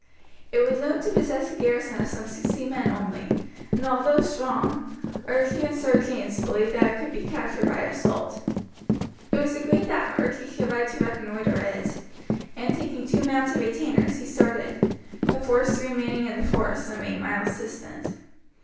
It was known to possess a garrison of some sixty men only, and although strong, Archie and Sir James believed that it could be captured by assault. It was arranged that Archie should ride to reconnoitre it, and taking two mounted retainers he started, the force remaining in the forest some eight miles distant.